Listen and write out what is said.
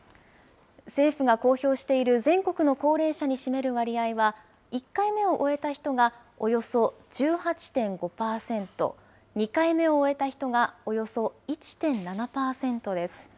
政府が公表している全国の高齢者に占める割合は、１回目を終えた人がおよそ１８．５％、２回目を終えた人がおよそ１．７％です。